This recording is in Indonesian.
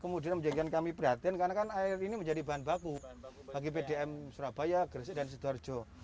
kemudian menjadikan kami perhatian karena kan air ini menjadi bahan baku bagi pdm surabaya gresik dan sidoarjo